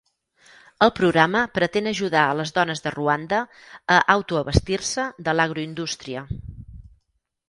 El programa pretén ajudar a les dones de Ruanda a autoabastir-se de l'agroindústria.